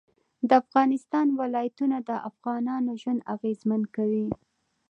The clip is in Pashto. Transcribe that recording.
د افغانستان ولايتونه د افغانانو ژوند اغېزمن کوي.